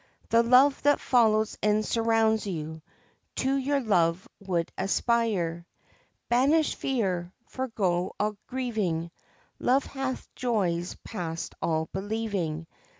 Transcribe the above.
The love that follows and surrounds you To your love would aspire. Banish fear, forgo all grieving : Love hath joys past all believing.